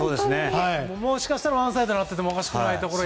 もしかしたらワンサイドになっていてもおかしくなかったところ。